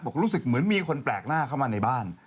รู้สึกเหมือนมีคนแปลกหน้าเข้ามาในบ้าน